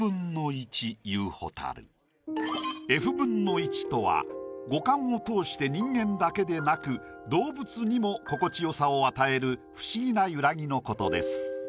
１／Ｆとは五感を通して人間だけでなく動物にも心地よさを与える不思議なゆらぎのことです。